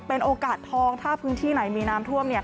เป็นโอกาสทองถ้าพื้นที่ไหนมีน้ำท่วม